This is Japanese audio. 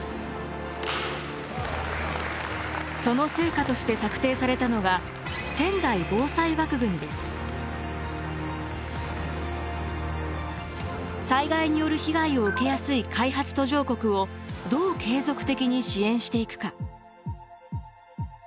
その成果として策定されたのが災害による被害を受けやすい開発途上国をどう継続的に支援していくか。